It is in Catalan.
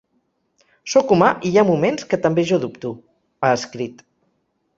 Sóc humà i hi ha moments que també jo dubto, ha escrit.